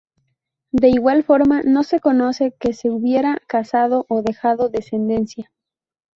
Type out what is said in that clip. De igual forma no se conoce que se hubiera casado o dejado descendencia.